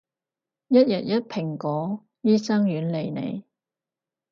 一日一蘋果，醫生遠離你